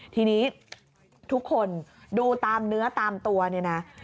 ทีนี้ทุกคนดูตามเนื้อตามตัวเนี่ยนะ